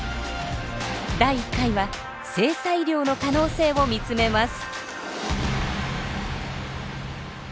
第１回は性差医療の可能性を見つめます。